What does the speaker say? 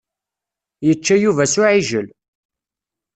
Yečča Yuba s uɛijel.